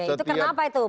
itu karena apa itu